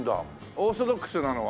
オーソドックスなのは。